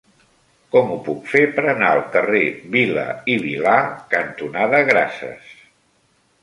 Com ho puc fer per anar al carrer Vila i Vilà cantonada Grases?